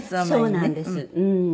そうなんです。